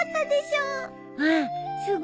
うん。